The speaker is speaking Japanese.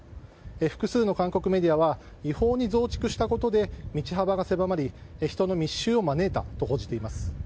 複数の韓国メディアは違法に増築したことで道幅が狭まり人の密集を招いたと報じています。